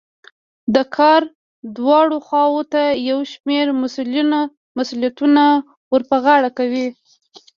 دا کار دواړو خواوو ته يو شمېر مسوليتونه ور په غاړه کوي.